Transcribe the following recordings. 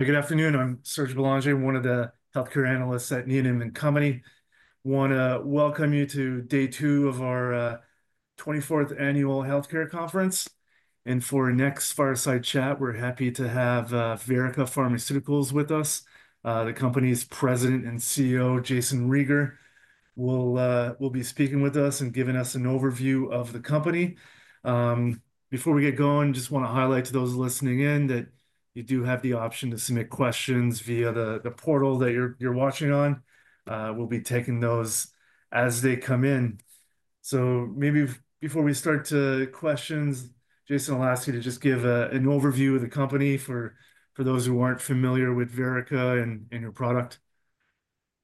Good afternoon. I'm Serge Belanger, one of the healthcare analysts at Needham & Company. I want to welcome you to day two of our 24th annual healthcare conference. For our next fireside chat, we're happy to have Verrica Pharmaceuticals with us. The company's President and CEO, Jayson Rieger, will be speaking with us and giving us an overview of the company. Before we get going, I just want to highlight to those listening in that you do have the option to submit questions via the portal that you're watching on. We'll be taking those as they come in. Maybe before we start to questions, Jayson Rieger, I'll ask you to just give an overview of the company for those who aren't familiar with Verrica and your product.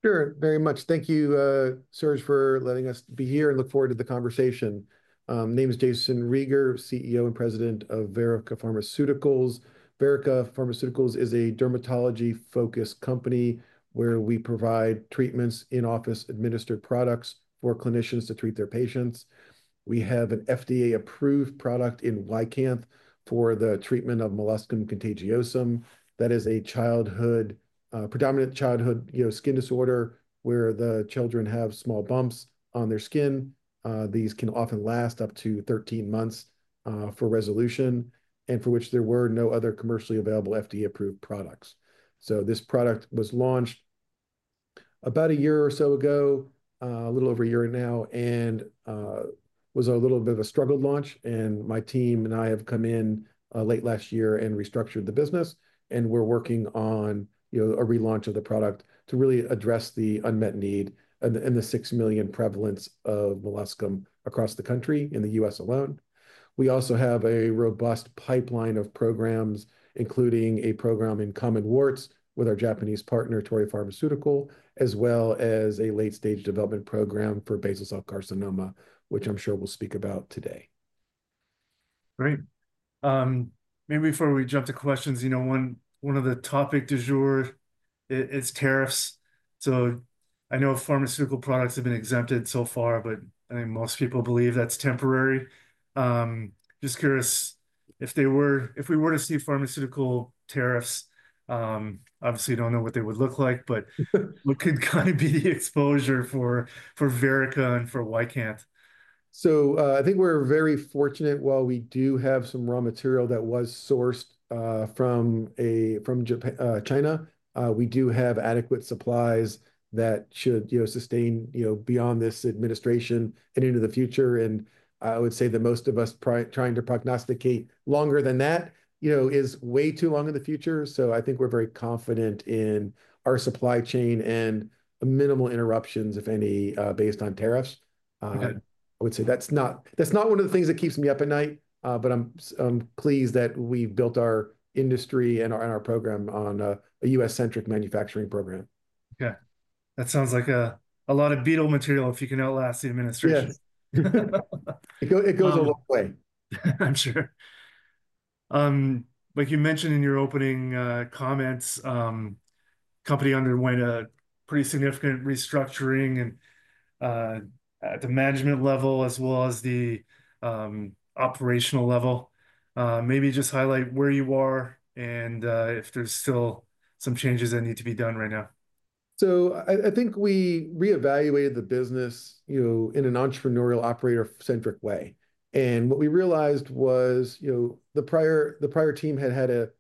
Sure, very much. Thank you, Serge Belanger, for letting us be here and look forward to the conversation. Name is Jayson Rieger, CEO and President of Verrica Pharmaceuticals. Verrica Pharmaceuticals is a dermatology-focused company where we provide treatments in-office administered products for clinicians to treat their patients. We have an FDA-approved product in Ycanth for the treatment of molluscum contagiosum. That is a predominant childhood skin disorder where the children have small bumps on their skin. These can often last up to 13 months for resolution and for which there were no other commercially available FDA-approved products. This product was launched about a year or so ago, a little over a year now, and was a little bit of a struggle launch. My team and I have come in late last year and restructured the business. We're working on a relaunch of the product to really address the unmet need and the 6 million prevalence of molluscum across the country in the U.S., alone. We also have a robust pipeline of programs, including a program in common warts with our Japanese partner, Torii Pharmaceutical, as well as a late-stage development program for basal cell carcinoma, which I'm sure we'll speak about today. All right. Maybe before we jump to questions, you know, one of the topic du jour is tariffs. I know pharmaceutical products have been exempted so far, but I think most people believe that's temporary. Just curious if we were to see pharmaceutical tariffs, obviously don't know what they would look like, but what could kind of be the exposure for Verrica and for Ycanth? I think we're very fortunate while we do have some raw material that was sourced from China. We do have adequate supplies that should sustain beyond this administration and into the future. I would say that most of us trying to prognosticate longer than that is way too long in the future. I think we're very confident in our supply chain and minimal interruptions, if any, based on tariffs. I would say that's not one of the things that keeps me up at night, but I'm pleased that we've built our industry and our program on a U.S.-centric manufacturing program. Okay. That sounds like a lot of beetle material if you can outlast the administration. It goes a long way. I'm sure. Like you mentioned in your opening comments, the company underwent a pretty significant restructuring at the management level as well as the operational level. Maybe just highlight where you are and if there's still some changes that need to be done right now. I think we reevaluated the business in an entrepreneurial operator-centric way. What we realized was the prior team had had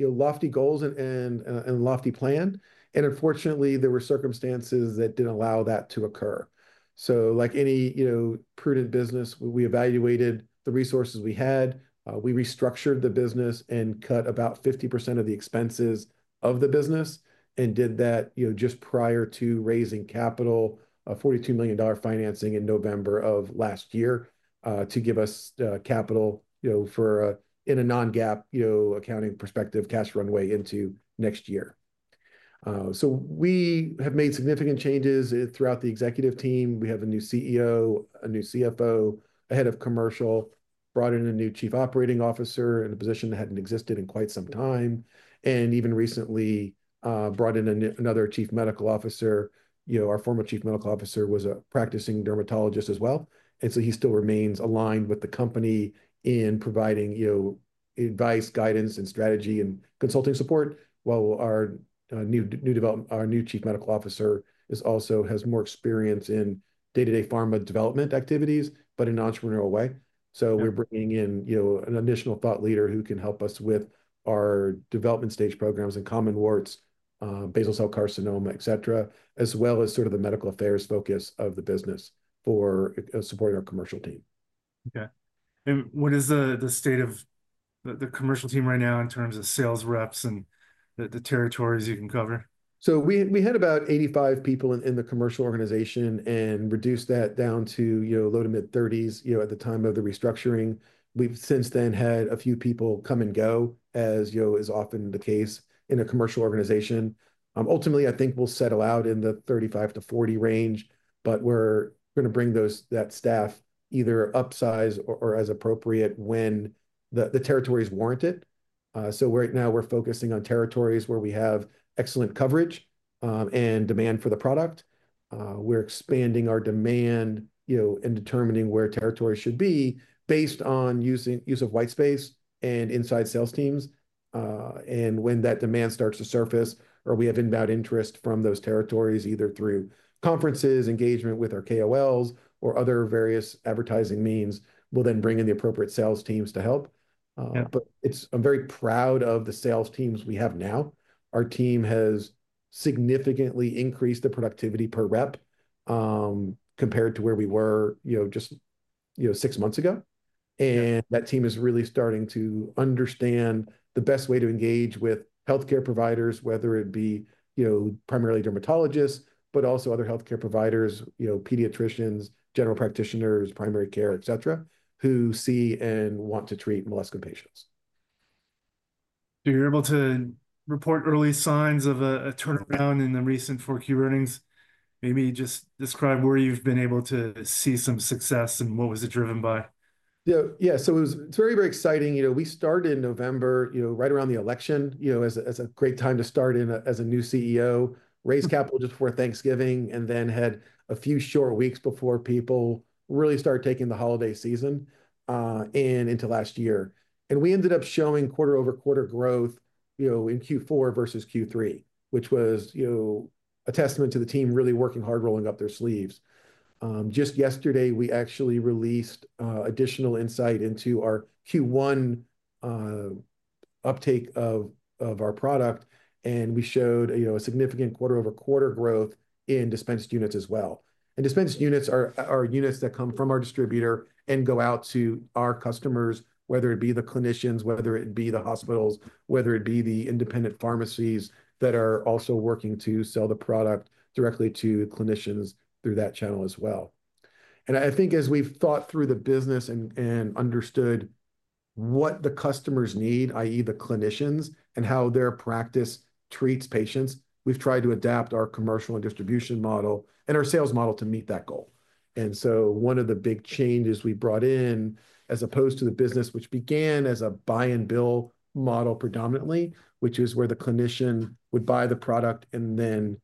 lofty goals and a lofty plan. Unfortunately, there were circumstances that did not allow that to occur. Like any prudent business, we evaluated the resources we had. We restructured the business and cut about 50% of the expenses of the business and did that just prior to raising capital, a $42 million financing in November of last year to give us capital in a non-GAAP accounting perspective, cash runway into next year. We have made significant changes throughout the executive team. We have a new CEO, a new CFO, a head of commercial, brought in a new chief operating officer in a position that had not existed in quite some time, and even recently brought in another chief medical officer. Our former Chief Medical Officer was a practicing dermatologist as well. He still remains aligned with the company in providing advice, guidance, and strategy and consulting support while our new Chief Medical Officer also has more experience in day-to-day pharma development activities, but in an entrepreneurial way. We are bringing in an additional thought leader who can help us with our development stage programs in common warts, basal cell carcinoma, et cetera, as well as sort of the medical affairs focus of the business for supporting our commercial team. Okay. What is the state of the commercial team right now in terms of sales reps and the territories you can cover? We had about 85 people in the commercial organization and reduced that down to low to mid-30s at the time of the restructuring. We've since then had a few people come and go, as is often the case in a commercial organization. Ultimately, I think we'll settle out in the 35-40 range, but we're going to bring that staff either upsize or as appropriate when the territories warrant it. Right now, we're focusing on territories where we have excellent coverage and demand for the product. We're expanding our demand and determining where territories should be based on use of white space and inside sales teams. When that demand starts to surface or we have inbound interest from those territories, either through conferences, engagement with our KOLs, or other various advertising means, we'll then bring in the appropriate sales teams to help. I'm very proud of the sales teams we have now. Our team has significantly increased the productivity per rep compared to where we were just six months ago. That team is really starting to understand the best way to engage with healthcare providers, whether it be primarily dermatologists, but also other healthcare providers, pediatricians, general practitioners, primary care, et cetera, who see and want to treat molluscum patients. You're able to report early signs of a turnaround in the recent Q4 earnings. Maybe just describe where you've been able to see some success and what was it driven by. Yeah, so it's very, very exciting. We started in November, right around the election, as a great time to start in as a new CEO, raised capital just before Thanksgiving, and then had a few short weeks before people really started taking the holiday season into last year. We ended up showing quarter-over-quarter growth in Q4 versus Q3, which was a testament to the team really working hard, rolling up their sleeves. Just yesterday, we actually released additional insight into our Q1 uptake of our product. We showed a significant quarter-over-quarter growth in dispensed units as well. Dispensed units are units that come from our distributor and go out to our customers, whether it be the clinicians, whether it be the hospitals, whether it be the independent pharmacies that are also working to sell the product directly to clinicians through that channel as well. I think as we've thought through the business and understood what the customers need, i.e., the clinicians, and how their practice treats patients, we've tried to adapt our commercial and distribution model and our sales model to meet that goal. One of the big changes we brought in as opposed to the business, which began as a buy-and-bill model predominantly, which is where the clinician would buy the product and then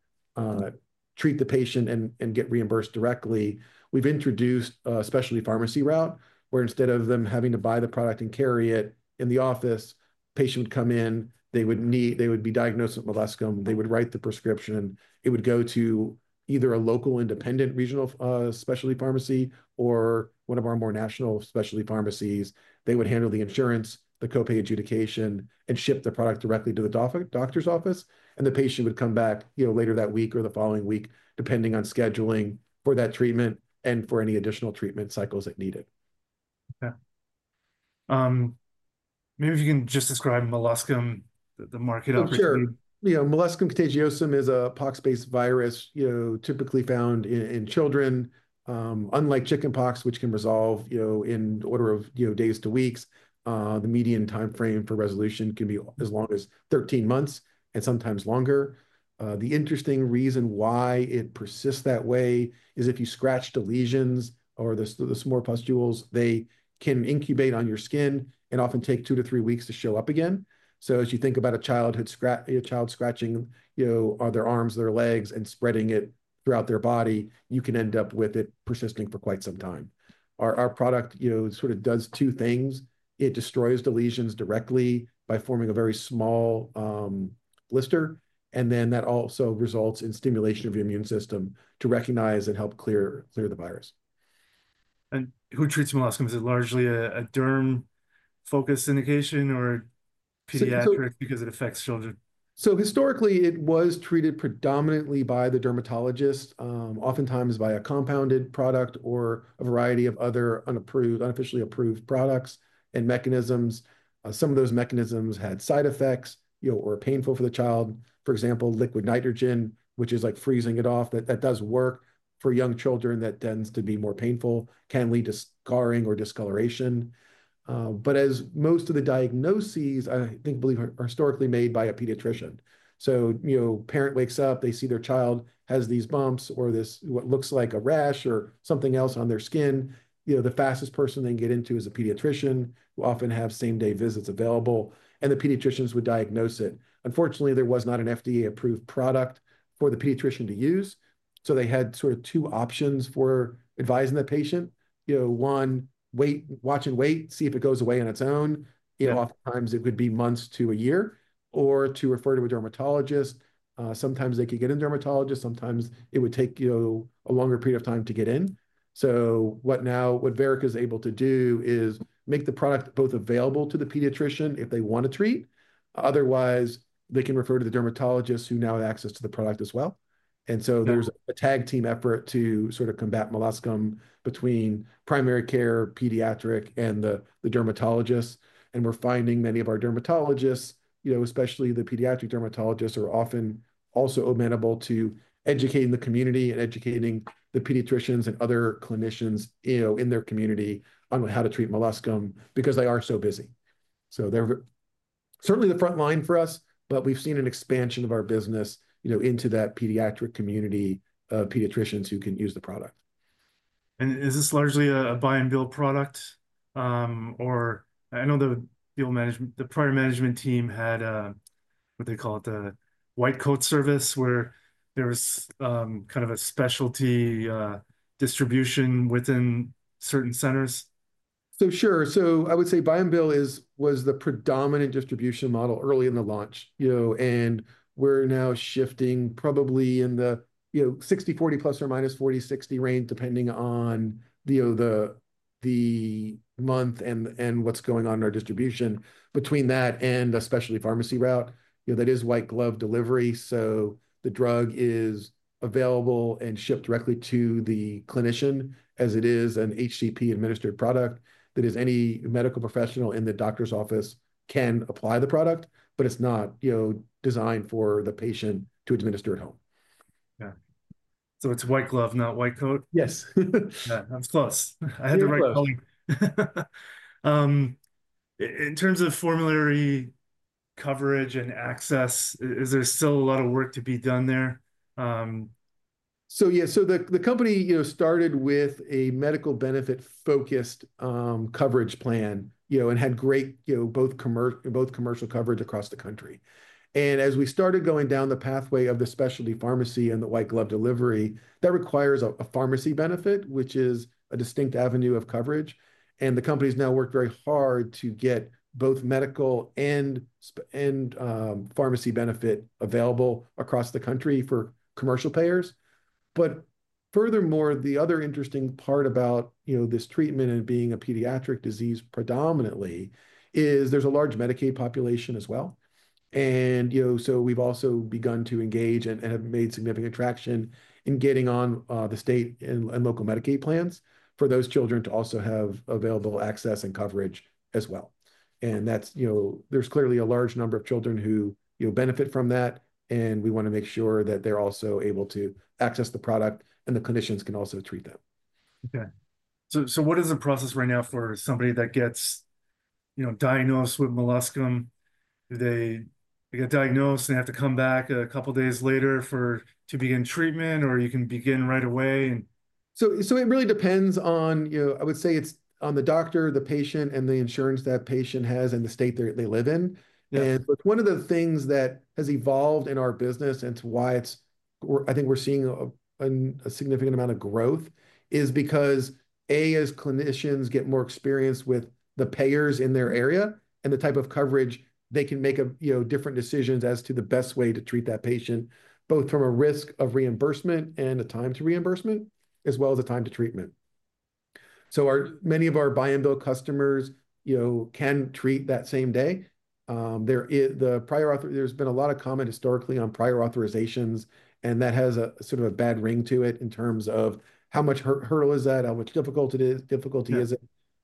treat the patient and get reimbursed directly, we've introduced a specialty pharmacy route where instead of them having to buy the product and carry it in the office, the patient would come in, they would be diagnosed with molluscum, they would write the prescription, it would go to either a local independent regional specialty pharmacy or one of our more national specialty pharmacies. They would handle the insurance, the copay adjudication, and ship the product directly to the doctor's office. The patient would come back later that week or the following week, depending on scheduling for that treatment and for any additional treatment cycles that needed. Okay. Maybe if you can just describe molluscum, the market opportunity. Sure. Molluscum contagiosum is a pox-based virus typically found in children. Unlike chicken pox, which can resolve in the order of days to weeks, the median timeframe for resolution can be as long as 13 months and sometimes longer. The interesting reason why it persists that way is if you scratch the lesions or the small pustules, they can incubate on your skin and often take two to three weeks to show up again. As you think about a child scratching their arms, their legs, and spreading it throughout their body, you can end up with it persisting for quite some time. Our product sort of does two things. It destroys the lesions directly by forming a very small blister. That also results in stimulation of the immune system to recognize and help clear the virus. Who treats molluscum? Is it largely a derm-focused indication or pediatric because it affects children? Historically, it was treated predominantly by the dermatologist, oftentimes by a compounded product or a variety of other unofficially approved products and mechanisms. Some of those mechanisms had side effects or were painful for the child. For example, liquid nitrogen, which is like freezing it off, does work for young children. That tends to be more painful, can lead to scarring or discoloration. As most of the diagnoses, I think, believe are historically made by a pediatrician. Parent wakes up, they see their child has these bumps or what looks like a rash or something else on their skin. The fastest person they can get into is a pediatrician who often have same-day visits available. The pediatricians would diagnose it. Unfortunately, there was not an FDA-approved product for the pediatrician to use. They had sort of two options for advising the patient. One, watch and wait, see if it goes away on its own. Oftentimes, it would be months to a year or to refer to a dermatologist. Sometimes they could get in dermatologist. Sometimes it would take a longer period of time to get in. Now what Verrica is able to do is make the product both available to the pediatrician if they want to treat. Otherwise, they can refer to the dermatologist who now has access to the product as well. There is a tag team effort to sort of combat molluscum between primary care, pediatric, and the dermatologists. We are finding many of our dermatologists, especially the pediatric dermatologists, are often also amenable to educating the community and educating the pediatricians and other clinicians in their community on how to treat molluscum because they are so busy. They are certainly the front line for us, but we've seen an expansion of our business into that pediatric community of pediatricians who can use the product. Is this largely a buy-and-bill product? I know the prior management team had what they call it the white coat service where there was kind of a specialty distribution within certain centers. Sure. I would say buy-and-bill was the predominant distribution model early in the launch. We are now shifting probably in the 60-40, plus or minus 40-60 range, depending on the month and what is going on in our distribution between that and the specialty pharmacy route. That is white glove delivery. The drug is available and shipped directly to the clinician as it is an HCP-administered product that any medical professional in the doctor's office can apply the product, but it is not designed for the patient to administer at home. Yeah. So it's white glove, not white coat? Yes. That's close. I had the right color. In terms of formulary coverage and access, is there still a lot of work to be done there? Yeah, the company started with a medical benefit-focused coverage plan and had both commercial coverage across the country. As we started going down the pathway of the specialty pharmacy and the white glove delivery, that requires a pharmacy benefit, which is a distinct avenue of coverage. The company has now worked very hard to get both medical and pharmacy benefit available across the country for commercial payers. Furthermore, the other interesting part about this treatment and being a pediatric disease predominantly is there's a large Medicaid population as well. We have also begun to engage and have made significant traction in getting on the state and local Medicaid plans for those children to also have available access and coverage as well. There's clearly a large number of children who benefit from that. We want to make sure that they're also able to access the product and the clinicians can also treat them. Okay. What is the process right now for somebody that gets diagnosed with molluscum? They get diagnosed and they have to come back a couple of days later to begin treatment, or you can begin right away? It really depends on, I would say it's on the doctor, the patient, and the insurance that patient has and the state they live in. One of the things that has evolved in our business and to why I think we're seeing a significant amount of growth is because, A, as clinicians get more experience with the payers in their area and the type of coverage, they can make different decisions as to the best way to treat that patient, both from a risk of reimbursement and a time to reimbursement, as well as a time to treatment. Many of our buy-and-bill customers can treat that same day. There's been a lot of comment historically on prior authorizations, and that has sort of a bad ring to it in terms of how much hurdle is that, how much difficulty is it.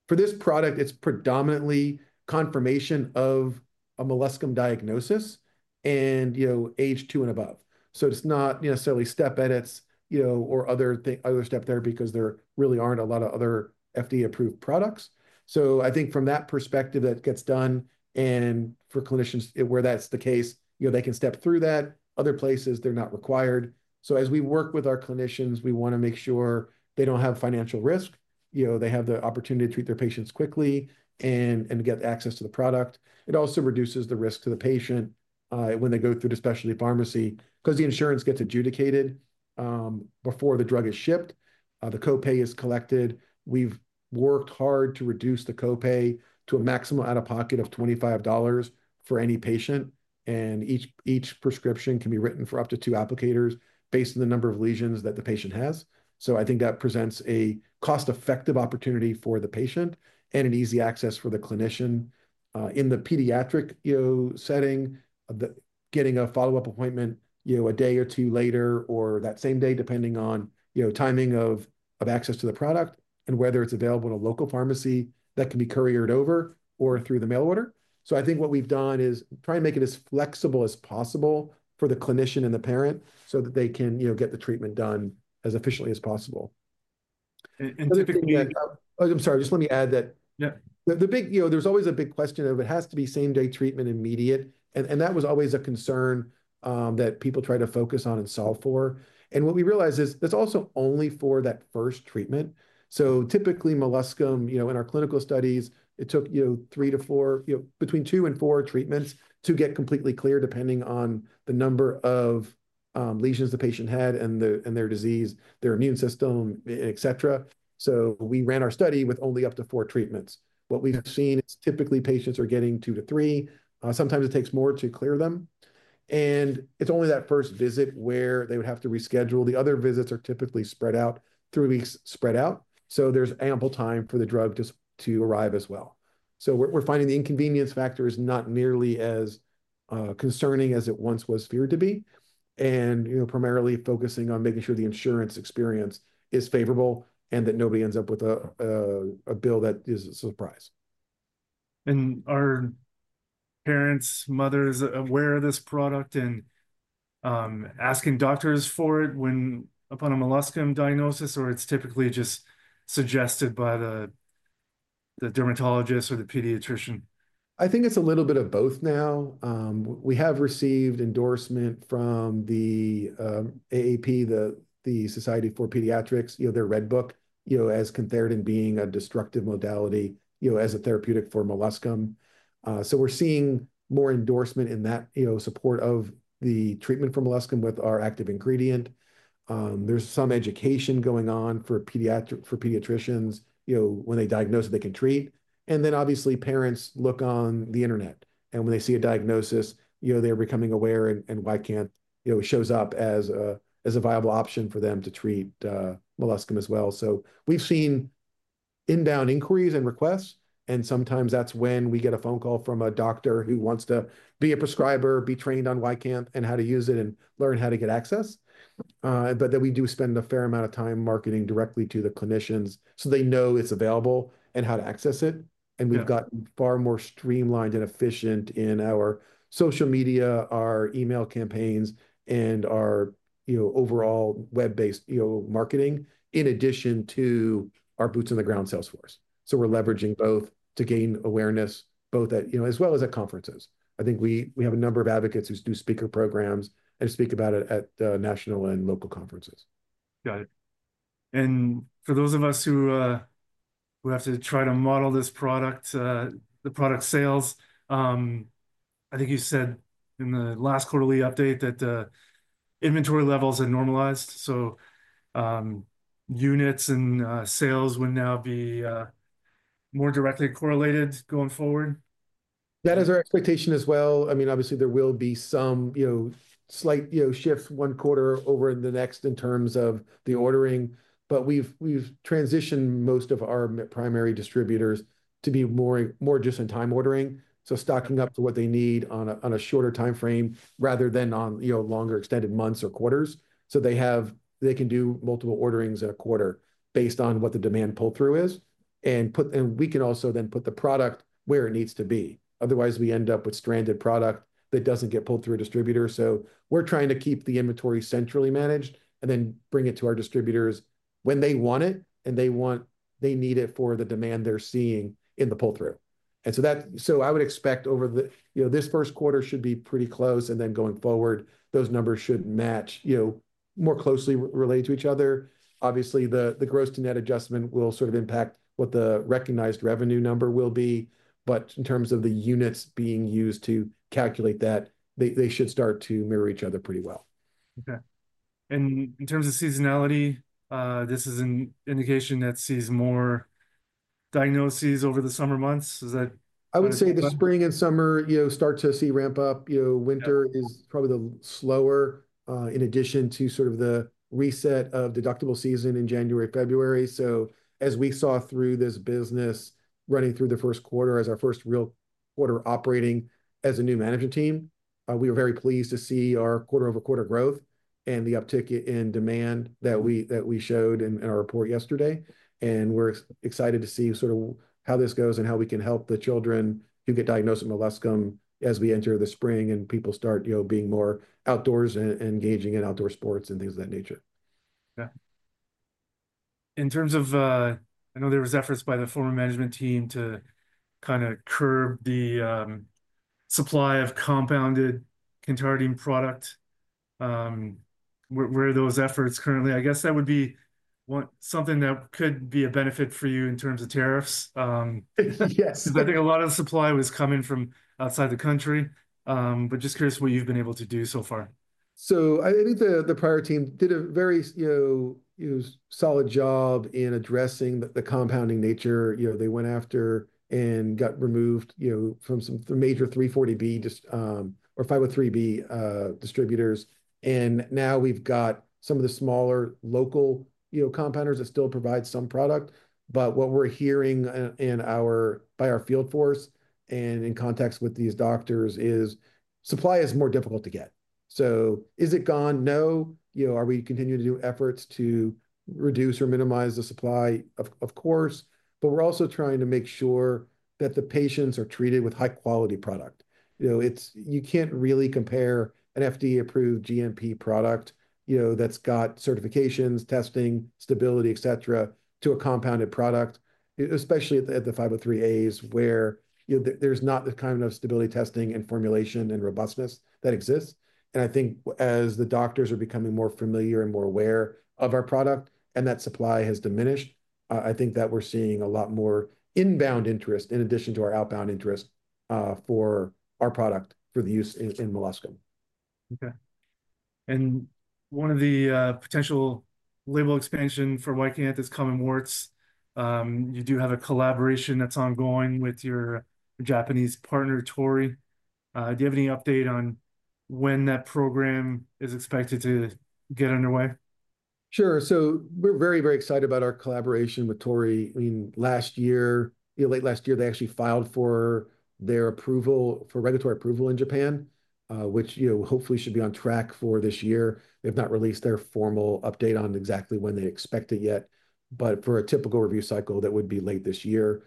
For this product, it's predominantly confirmation of a molluscum diagnosis and age two and above. It's not necessarily step edits or other step therapy because there really aren't a lot of other FDA-approved products. I think from that perspective, that gets done. For clinicians, where that's the case, they can step through that. Other places, they're not required. As we work with our clinicians, we want to make sure they don't have financial risk. They have the opportunity to treat their patients quickly and get access to the product. It also reduces the risk to the patient when they go through the specialty pharmacy because the insurance gets adjudicated before the drug is shipped. The copay is collected. We've worked hard to reduce the copay to a maximum out-of-pocket of $25 for any patient. Each prescription can be written for up to two applicators based on the number of lesions that the patient has. I think that presents a cost-effective opportunity for the patient and an easy access for the clinician in the pediatric setting, getting a follow-up appointment a day or two later or that same day, depending on timing of access to the product and whether it is available in a local pharmacy that can be couriered over or through the mail order. I think what we have done is try and make it as flexible as possible for the clinician and the parent so that they can get the treatment done as efficiently as possible. And typically. I'm sorry, just let me add that there's always a big question of it has to be same-day treatment immediate. That was always a concern that people try to focus on and solve for. What we realized is it's also only for that first treatment. Typically, molluscum in our clinical studies, it took three to four, between two and four treatments to get completely clear, depending on the number of lesions the patient had and their disease, their immune system, etc. We ran our study with only up to four treatments. What we've seen is typically patients are getting two to three. Sometimes it takes more to clear them. It's only that first visit where they would have to reschedule. The other visits are typically spread out, three weeks spread out. There's ample time for the drug to arrive as well. We're finding the inconvenience factor is not nearly as concerning as it once was feared to be. Primarily focusing on making sure the insurance experience is favorable and that nobody ends up with a bill that is a surprise. Are parents, mothers aware of this product and asking doctors for it when upon a molluscum diagnosis, or is it typically just suggested by the dermatologist or the pediatrician? I think it's a little bit of both now. We have received endorsement from the AAP, the Society for Pediatrics, their Red Book, as cantharidin being a destructive modality as a therapeutic for molluscum. We are seeing more endorsement in that support of the treatment for molluscum with our active ingredient. There's some education going on for pediatricians when they diagnose that they can treat. Obviously, parents look on the internet. When they see a diagnosis, they're becoming aware and Ycanth shows up as a viable option for them to treat molluscum as well. We have seen inbound inquiries and requests. Sometimes that's when we get a phone call from a doctor who wants to be a prescriber, be trained on Ycanth and how to use it and learn how to get access. We do spend a fair amount of time marketing directly to the clinicians so they know it's available and how to access it. We've gotten far more streamlined and efficient in our social media, our email campaigns, and our overall web-based marketing in addition to our boots on the ground salesforce. We're leveraging both to gain awareness, both as well as at conferences. I think we have a number of advocates who do speaker programs and speak about it at national and local conferences. Got it. For those of us who have to try to model this product, the product sales, I think you said in the last quarterly update that inventory levels had normalized. Units and sales would now be more directly correlated going forward? That is our expectation as well. I mean, obviously, there will be some slight shifts one quarter over in the next in terms of the ordering. We have transitioned most of our primary distributors to be more just in time ordering. Stocking up to what they need on a shorter timeframe rather than on longer extended months or quarters. They can do multiple orderings in a quarter based on what the demand pull-through is. We can also then put the product where it needs to be. Otherwise, we end up with stranded product that does not get pulled through a distributor. We are trying to keep the inventory centrally managed and then bring it to our distributors when they want it and they need it for the demand they are seeing in the pull-through. I would expect over this first quarter should be pretty close. Going forward, those numbers should match more closely related to each other. Obviously, the gross to net adjustment will sort of impact what the recognized revenue number will be. In terms of the units being used to calculate that, they should start to mirror each other pretty well. Okay. In terms of seasonality, this is an indication that sees more diagnoses over the summer months. Is that? I would say the spring and summer start to see ramp up. Winter is probably the slower in addition to sort of the reset of deductible season in January, February. As we saw through this business running through the first quarter as our first real quarter operating as a new management team, we were very pleased to see our quarter-over-quarter growth and the uptick in demand that we showed in our report yesterday. We are excited to see sort of how this goes and how we can help the children who get diagnosed with molluscum as we enter the spring and people start being more outdoors and engaging in outdoor sports and things of that nature. Okay. In terms of, I know there were efforts by the former management team to kind of curb the supply of compounded cantharidin product. Where are those efforts currently? I guess that would be something that could be a benefit for you in terms of tariffs. Yes. Because I think a lot of the supply was coming from outside the country. Just curious what you've been able to do so far. I think the prior team did a very solid job in addressing the compounding nature. They went after and got removed from some major 340B or 503B distributors. Now we've got some of the smaller local compounders that still provide some product. What we're hearing by our field force and in context with these doctors is supply is more difficult to get. Is it gone? No. Are we continuing to do efforts to reduce or minimize the supply? Of course. We're also trying to make sure that the patients are treated with high-quality product. You can't really compare an FDA-approved GMP product that's got certifications, testing, stability, etc., to a compounded product, especially at the 503As where there's not the kind of stability testing and formulation and robustness that exists. I think as the doctors are becoming more familiar and more aware of our product and that supply has diminished, I think that we're seeing a lot more inbound interest in addition to our outbound interest for our product for the use in molluscum. Okay. One of the potential label expansions for Ycanth is common warts. You do have a collaboration that's ongoing with your Japanese partner, Torii. Do you have any update on when that program is expected to get underway? Sure. We are very, very excited about our collaboration with Torii. I mean, last year, late last year, they actually filed for their regulatory approval in Japan, which hopefully should be on track for this year. They have not released their formal update on exactly when they expect it yet. For a typical review cycle, that would be late this year.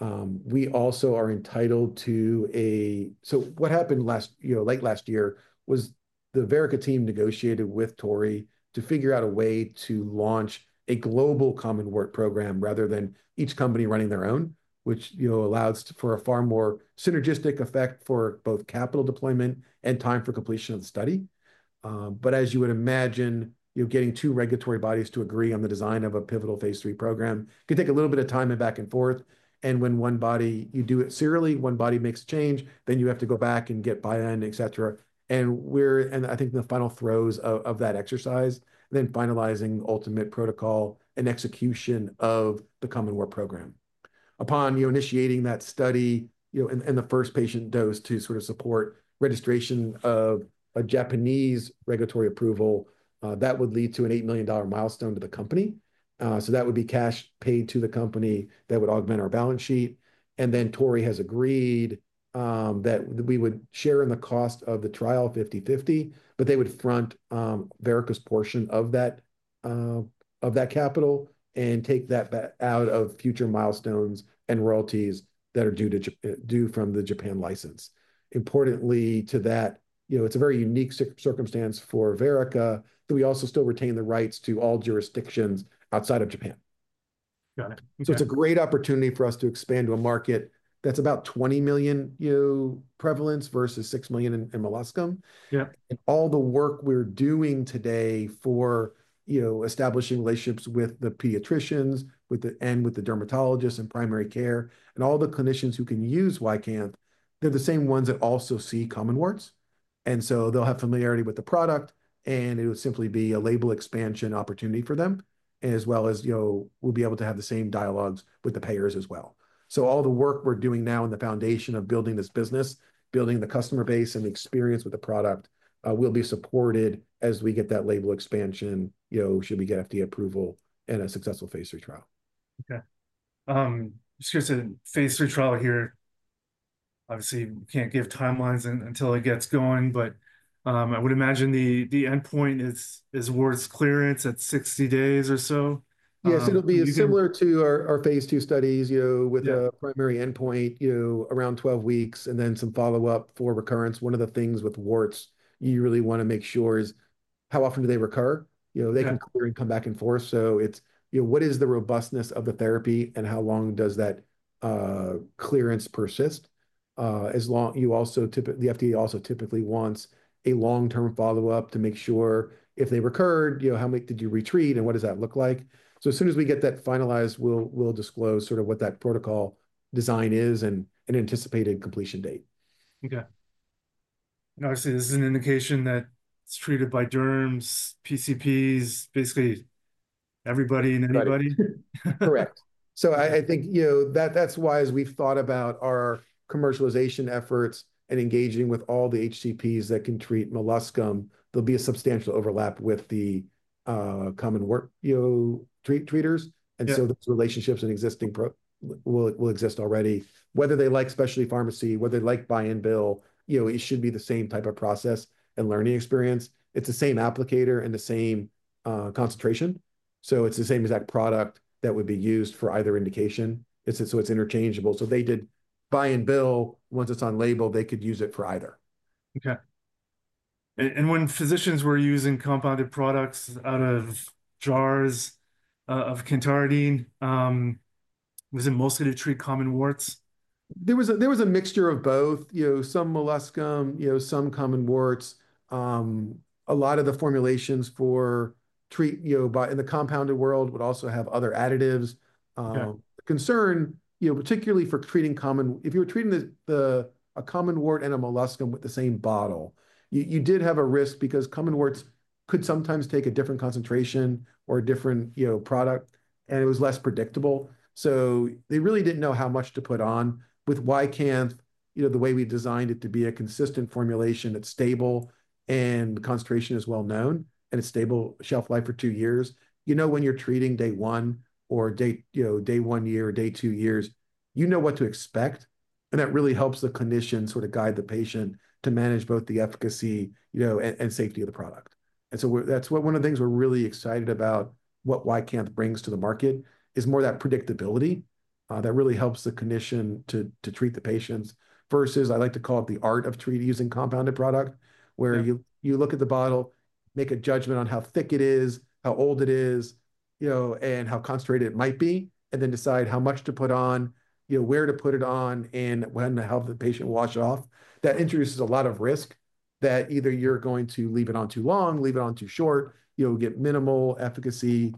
We also are entitled to a—so what happened late last year was the Verrica team negotiated with Torii to figure out a way to launch a global common warts program rather than each company running their own, which allows for a far more synergistic effect for both capital deployment and time for completion of the study. As you would imagine, getting two regulatory bodies to agree on the design of a pivotal phase 3 program can take a little bit of time and back and forth. When one body, you do it serially, one body makes a change, then you have to go back and get buy-in, etc. I think the final throes of that exercise, then finalizing ultimate protocol and execution of the common warts program. Upon initiating that study and the first patient dose to sort of support registration of a Japanese regulatory approval, that would lead to an $8 million milestone to the company. That would be cash paid to the company that would augment our balance sheet. Torii has agreed that we would share in the cost of the trial 50/50, but they would front Verrica's portion of that capital and take that out of future milestones and royalties that are due from the Japan license. Importantly to that, it's a very unique circumstance for Verrica that we also still retain the rights to all jurisdictions outside of Japan. Got it. It's a great opportunity for us to expand to a market that's about 20 million prevalence versus 6 million in molluscum. All the work we're doing today for establishing relationships with the pediatricians and with the dermatologists and primary care and all the clinicians who can use Ycanth, they're the same ones that also see common warts. They'll have familiarity with the product, and it would simply be a label expansion opportunity for them, as well as we'll be able to have the same dialogues with the payers as well. All the work we're doing now in the foundation of building this business, building the customer base and the experience with the product will be supported as we get that label expansion should we get FDA approval and a successful phase 3 trial. Okay. Just curious to phase 3 trial here. Obviously, we can't give timelines until it gets going, but I would imagine the endpoint is warts clearance at 60 days or so. Yes. It'll be similar to our phase two studies with a primary endpoint around 12 weeks and then some follow-up for recurrence. One of the things with warts, you really want to make sure is how often do they recur? They can come back and forth. What is the robustness of the therapy and how long does that clearance persist? The FDA also typically wants a long-term follow-up to make sure if they recurred, how much did you retreat and what does that look like? As soon as we get that finalized, we'll disclose sort of what that protocol design is and anticipated completion date. Okay. Obviously, this is an indication that it's treated by derms, PCPs, basically everybody and anybody. Correct. I think that's why as we've thought about our commercialization efforts and engaging with all the HCPs that can treat molluscum, there'll be a substantial overlap with the common wart treaters. Those relationships and existing will exist already. Whether they like specialty pharmacy, whether they like buy-and-bill, it should be the same type of process and learning experience. It's the same applicator and the same concentration. It's the same exact product that would be used for either indication. It's interchangeable. They did buy-and-bill. Once it's on label, they could use it for either. Okay. When physicians were using compounded products out of jars of cantharidin, was it mostly to treat common warts? There was a mixture of both. Some molluscum, some common warts. A lot of the formulations for treat in the compounded world would also have other additives. The concern, particularly for treating common, if you were treating a common wart and a molluscum with the same bottle, you did have a risk because common warts could sometimes take a different concentration or a different product, and it was less predictable. They really didn't know how much to put on. With Ycanth, the way we designed it to be a consistent formulation that's stable and the concentration is well known and it's stable shelf life for two years, you know when you're treating day one or day one year or day two years, you know what to expect. That really helps the clinician sort of guide the patient to manage both the efficacy and safety of the product. That is one of the things we are really excited about, what Ycanth brings to the market is more of that predictability that really helps the clinician to treat the patients versus, I like to call it, the art of treating using compounded product where you look at the bottle, make a judgment on how thick it is, how old it is, and how concentrated it might be, and then decide how much to put on, where to put it on, and when to help the patient wash it off. That introduces a lot of risk that either you are going to leave it on too long, leave it on too short, get minimal efficacy,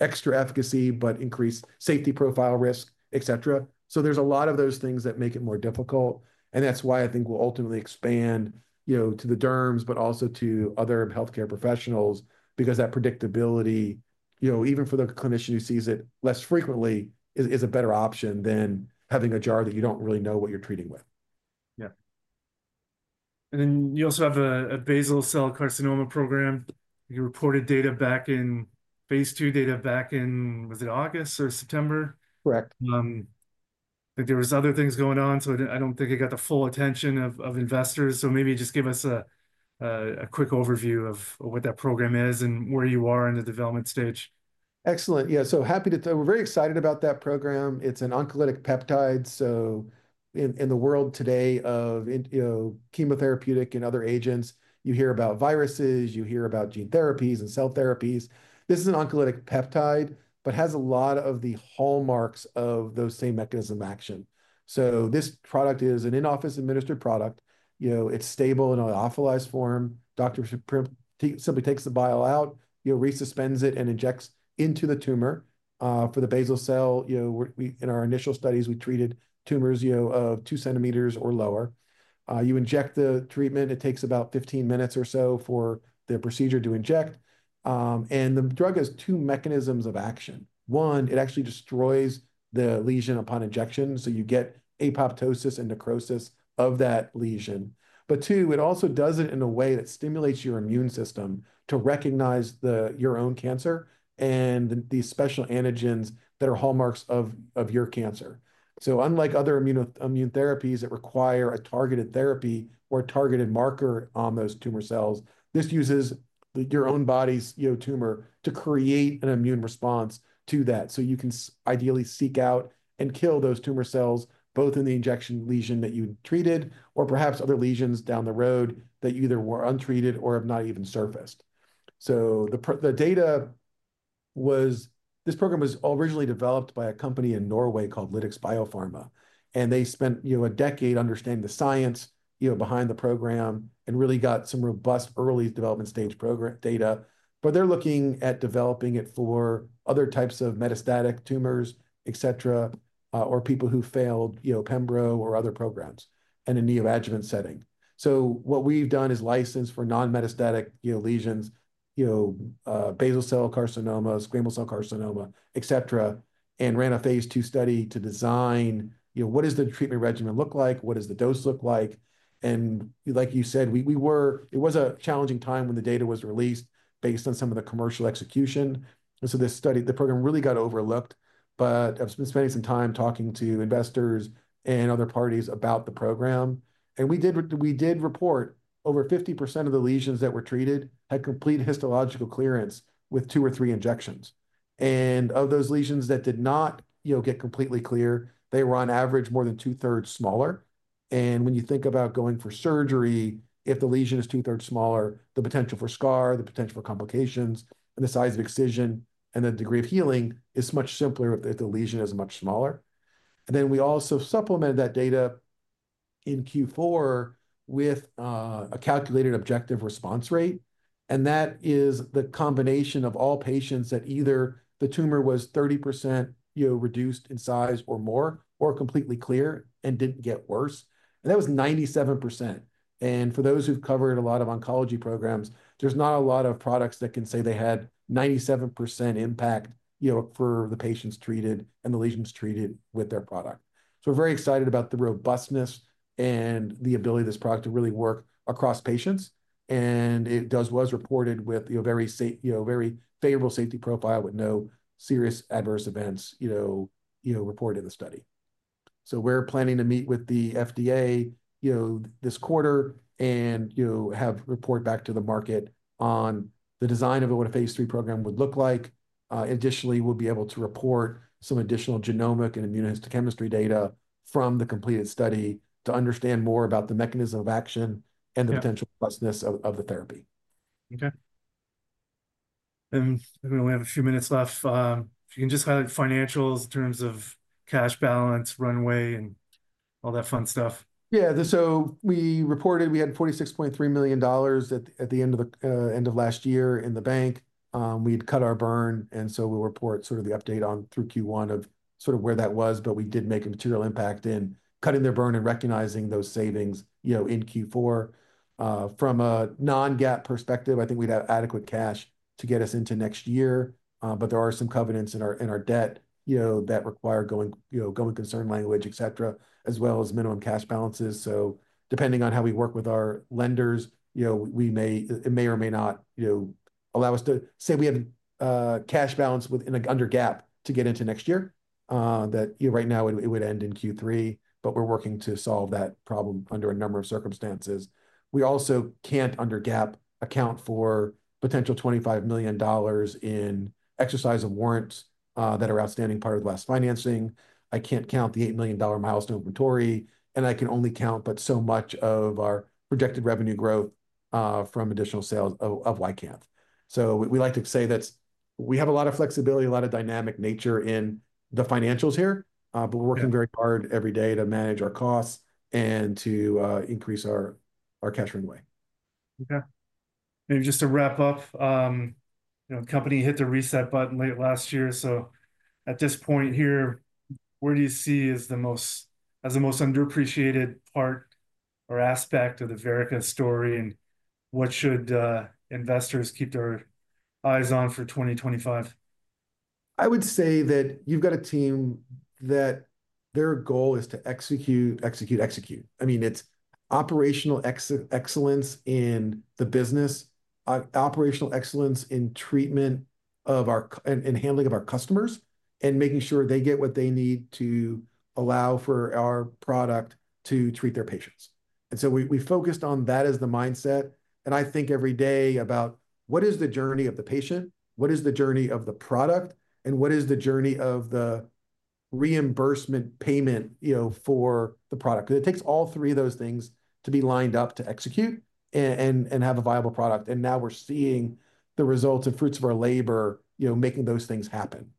extra efficacy, but increase safety profile risk, etc. There are a lot of those things that make it more difficult. That is why I think we'll ultimately expand to the derms, but also to other healthcare professionals because that predictability, even for the clinician who sees it less frequently, is a better option than having a jar that you don't really know what you're treating with. Yeah. You also have a basal cell carcinoma program. You reported phase two data back in, was it August or September? Correct. I think there were other things going on, so I don't think it got the full attention of investors. Maybe just give us a quick overview of what that program is and where you are in the development stage. Excellent. Yeah. We're very excited about that program. It's an oncolytic peptide. In the world today of chemotherapeutic and other agents, you hear about viruses, you hear about gene therapies and cell therapies. This is an oncolytic peptide, but has a lot of the hallmarks of those same mechanisms of action. This product is an in-office administered product. It's stable in an lyophilized form. Doctor simply takes the vial out, resuspends it, and injects into the tumor. For the basal cell, in our initial studies, we treated tumors of 2 cm or lower. You inject the treatment. It takes about 15 minutes or so for the procedure to inject. The drug has two mechanisms of action. One, it actually destroys the lesion upon injection. You get apoptosis and necrosis of that lesion. It also does it in a way that stimulates your immune system to recognize your own cancer and the special antigens that are hallmarks of your cancer. Unlike other immune therapies that require a targeted therapy or a targeted marker on those tumor cells, this uses your own body's tumor to create an immune response to that. You can ideally seek out and kill those tumor cells both in the injection lesion that you treated or perhaps other lesions down the road that either were untreated or have not even surfaced. The data was this program was originally developed by a company in Norway called Lytix Biopharma. They spent a decade understanding the science behind the program and really got some robust early development stage data program. They're looking at developing it for other types of metastatic tumors, etc., or people who failed Pembro or other programs and in neoadjuvant setting. What we've done is licensed for non-metastatic lesions, basal cell carcinoma, squamous cell carcinoma, etc., and ran a phase two study to design what does the treatment regimen look like, what does the dose look like. Like you said, it was a challenging time when the data was released based on some of the commercial execution. The program really got overlooked. I've been spending some time talking to investors and other parties about the program. We did report over 50% of the lesions that were treated had complete histological clearance with two or three injections. Of those lesions that did not get completely clear, they were on average more than two-thirds smaller. When you think about going for surgery, if the lesion is two-thirds smaller, the potential for scar, the potential for complications, and the size of excision and the degree of healing is much simpler if the lesion is much smaller. We also supplemented that data in Q4 with a calculated objective response rate. That is the combination of all patients that either the tumor was 30% reduced in size or more or completely clear and did not get worse. That was 97%. For those who have covered a lot of oncology programs, there are not a lot of products that can say they had 97% impact for the patients treated and the lesions treated with their product. We are very excited about the robustness and the ability of this product to really work across patients. It was reported with a very favorable safety profile with no serious adverse events reported in the study. We are planning to meet with the FDA this quarter and report back to the market on the design of what a phase 3 program would look like. Additionally, we will be able to report some additional genomic and immunohistochemistry data from the completed study to understand more about the mechanism of action and the potential robustness of the therapy. Okay. We only have a few minutes left. If you can just highlight financials in terms of cash balance, runway, and all that fun stuff. Yeah. We reported we had $46.3 million at the end of last year in the bank. We'd cut our burn. We will report sort of the update through Q1 of sort of where that was. We did make a material impact in cutting their burn and recognizing those savings in Q4. From a non-GAAP perspective, I think we'd have adequate cash to get us into next year. There are some covenants in our debt that require going concern language, etc., as well as minimum cash balances. Depending on how we work with our lenders, it may or may not allow us to say we have cash balance under GAAP to get into next year. That right now would end in Q3, but we're working to solve that problem under a number of circumstances. We also can't under GAAP account for potential $25 million in exercise of warrants that are outstanding part of the last financing. I can't count the $8 million milestone for Torii. And I can only count but so much of our projected revenue growth from additional sales of Ycanth. We like to say that we have a lot of flexibility, a lot of dynamic nature in the financials here, but we're working very hard every day to manage our costs and to increase our cash runway. Okay. Just to wrap up, the company hit the reset button late last year. At this point here, where do you see as the most underappreciated part or aspect of the Verrica story and what should investors keep their eyes on for 2025? I would say that you've got a team that their goal is to execute, execute, execute. I mean, it's operational excellence in the business, operational excellence in treatment and handling of our customers, and making sure they get what they need to allow for our product to treat their patients. We focused on that as the mindset. I think every day about what is the journey of the patient, what is the journey of the product, and what is the journey of the reimbursement payment for the product. It takes all three of those things to be lined up to execute and have a viable product. Now we're seeing the results and fruits of our labor making those things happen.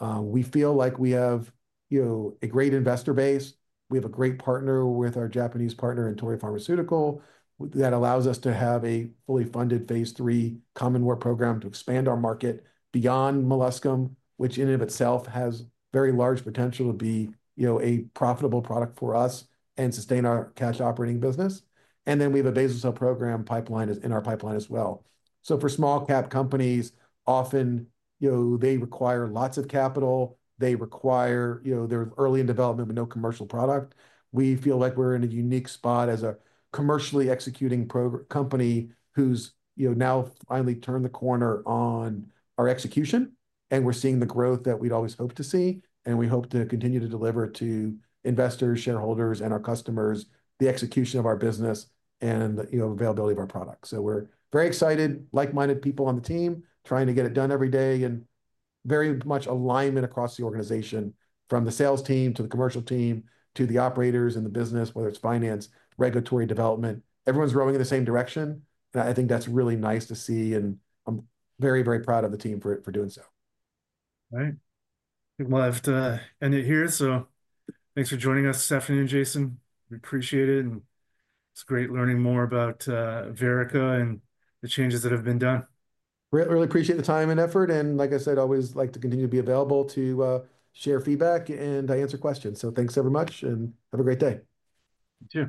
We feel like we have a great investor base. We have a great partner with our Japanese partner in Torii Pharmaceutical that allows us to have a fully funded phase 3 common warts program to expand our market beyond molluscum, which in and of itself has very large potential to be a profitable product for us and sustain our cash operating business. We have a basal cell program in our pipeline as well. For small cap companies, often they require lots of capital. They require they're early in development with no commercial product. We feel like we're in a unique spot as a commercially executing company who's now finally turned the corner on our execution. We're seeing the growth that we'd always hoped to see. We hope to continue to deliver to investors, shareholders, and our customers the execution of our business and availability of our product. We're very excited, like-minded people on the team trying to get it done every day and very much alignment across the organization from the sales team to the commercial team to the operators in the business, whether it's finance, regulatory development. Everyone's rowing in the same direction. I think that's really nice to see. I'm very, very proud of the team for doing so. All right. I have to end it here. Thanks for joining us this afternoon, Jayson Rieger. We appreciate it. It is great learning more about Verrica and the changes that have been done. Really appreciate the time and effort. Like I said, always like to continue to be available to share feedback and answer questions. Thanks very much and have a great day. You too.